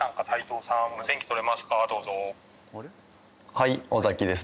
はい尾崎です。